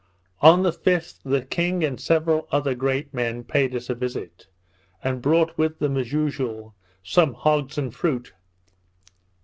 On the 5th, the king and several other great men, paid us a visit, and brought with them, as usual, some hogs and fruit.